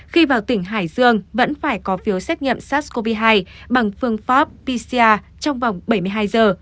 khi vào tỉnh hải dương vẫn phải có phiếu xét nghiệm sars cov hai bằng phương pháp pcr trong vòng bảy mươi hai giờ